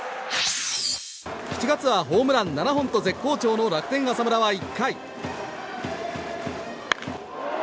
７月はホームラン７本と絶好調の楽天、浅村は１回。